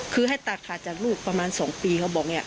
คือให้ตัดขาดจากลูกประมาณ๒ปีเขาบอกเนี่ย